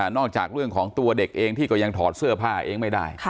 จากเรื่องของตัวเด็กเองที่ก็ยังถอดเสื้อผ้าเองไม่ได้